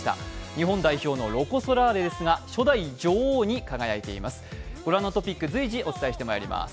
日本代表のロコ・ソラーレですが、初代女王に輝いています。